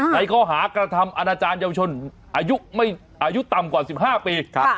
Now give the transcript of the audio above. ในข้อหากระทำอาณาจารย์เยาวชนอายุต่ำกว่า๑๕ปี